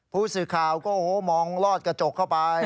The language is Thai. ผู้สื่อข่าวก็โอ้โหมองลอดกระจกเข้าไป